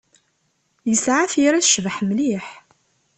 Yesɛa tira tecbeḥ mliḥ.